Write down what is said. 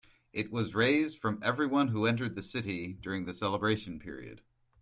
It was raised from everyone who entered the city during the celebration period.